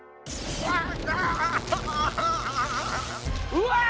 うわ！